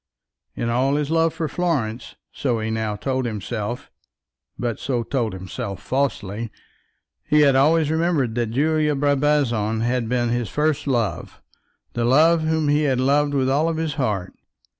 In all his love for Florence, so he now told himself, but so told himself falsely, he had ever remembered that Julia Brabazon had been his first love, the love whom he had loved with all his heart.